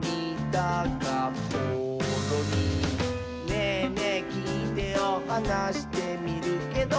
「『ねぇねぇきいてよ』はなしてみるけど」